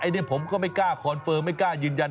อันนี้ผมก็ไม่กล้าคอนเฟิร์มไม่กล้ายืนยัน